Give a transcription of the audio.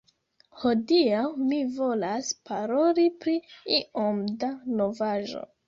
Hodiaŭ mi volas paroli pri iom da novaĵo